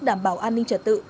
đảm bảo an ninh trật tự